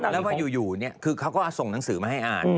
แล้วก็อยู่คือเขาก็ส่งหนังสือมาให้อ่าน